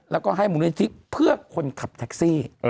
แล้วก็ให้มูลนิธิเพื่อคนขับแท็กซี่